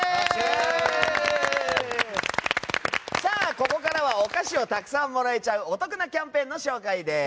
ここからはお菓子をたくさんもらえちゃうお得なキャンペーンの紹介です。